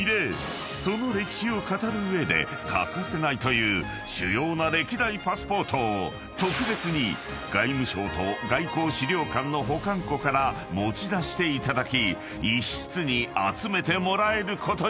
［その歴史を語る上で欠かせないという主要な歴代パスポートを特別に外務省と外交史料館の保管庫から持ち出していただき一室に集めてもらえることに］